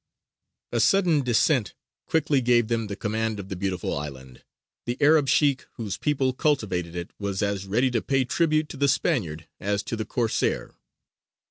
A sudden descent quickly gave them the command of the beautiful island. The Arab sheykh whose people cultivated it was as ready to pay tribute to the Spaniard as to the Corsair.